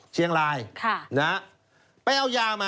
เชียงราย